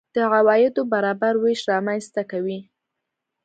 د عوایدو برابر وېش رامنځته کوي.